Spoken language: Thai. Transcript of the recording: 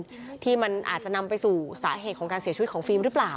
ความชอบอยู่ตรงนี้มันอาจจะนำไปสู่สาเหตุของการเสียชีวิตของฟิล์มรึเปล่า